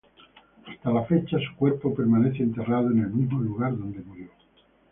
Hasta la fecha su cuerpo permanece enterrado en el mismo lugar donde murió.